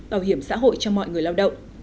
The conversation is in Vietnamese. bảo hiểm xã hội cho mọi người lao động